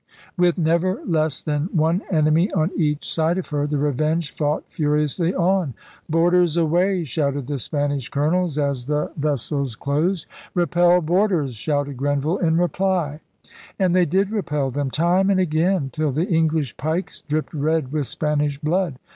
With never less than one enemy on each side of her, the Revenge fought furiously on. Boarders away! shouted the Spanish colonels as the ves *THE ONE AND THE FIFTY THREE* 199 sels closed. Repel boarders! shouted Grenville in reply. And they did repel them, time and again, till the English pikes dripped red with Spanish blood.